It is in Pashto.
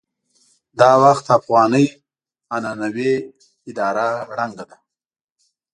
دا وخت افغاني عنعنوي اداره ړنګه ده.